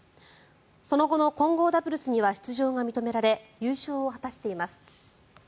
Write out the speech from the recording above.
その後の混合ダブルスには出場が認められ優勝を果たしています。